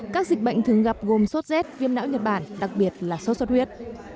các dịch bệnh thường gặp gồm suất rét viêm não nhật bản đặc biệt là suất suất huyết